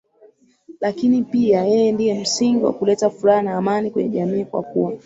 lakini pia yeye ndiye msingi wa kuleta furaha na Amani kwenye jamii kwa kuwa